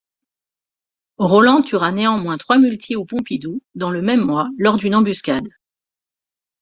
Rolland tuera néanmoins trois muletiers au Pompidou dans le même mois lors d'une embuscade.